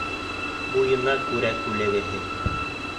Буйына күрә күләгәһе.